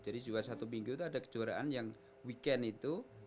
jadi jumat sabtu minggu itu ada kejuaraan yang weekend itu